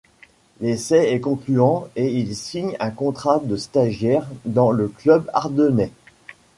L'essai est concluant et il signe un contrat de stagiaire dans le club ardennais.